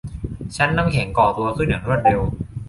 ชั้นน้ำแข็งก่อตัวขึ้นอย่างรวดเร็ว